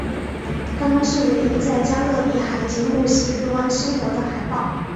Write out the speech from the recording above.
它们是唯一在加勒比海及墨西哥湾生活的海豹。